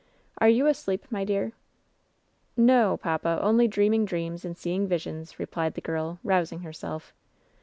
"Are you asleep, my dear V* "N" n no, papa; only dreaming dreams and seeing visions," replied the girl, rousing herself.